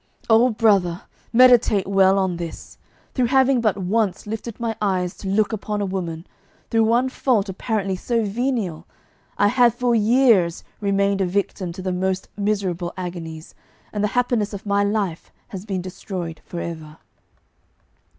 Oh, brother, meditate well on this! Through having but once lifted my eyes to look upon a woman, through one fault apparently so venial, I have for years remained a victim to the most miserable agonies, and the happiness of my life has been destroyed for ever.